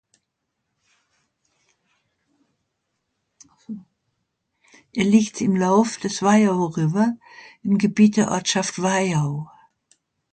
Er liegt im Lauf des Waiau River im Gebiet der Ortschaft Waiau.